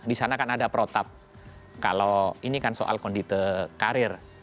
di sana kan ada protap kalau ini kan soal kondite karir